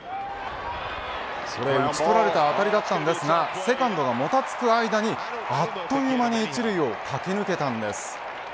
打ち取られた当たりだったんですがセカンドがもたつく間にあっという間に１塁を駆け抜けたんです。